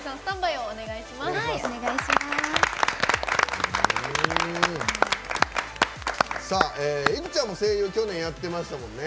いくちゃんも声優去年やってましたもんね。